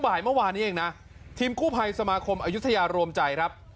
บ่ายเมื่อวานนี้เองนะทีมกู้ภัยสมาคมอายุทยารวมใจครับ